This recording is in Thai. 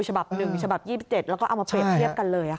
ฉบับ๑ฉบับ๒๗แล้วก็เอามาเปรียบเทียบกันเลย